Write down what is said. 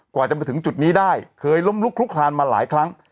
กว่าจะมาถึงจุดนี้ได้เคยล้มลุกลุกคลานมาหลายครั้ง